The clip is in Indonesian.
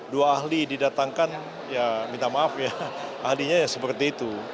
dua ahli didatangkan ya minta maaf ya ahlinya ya seperti itu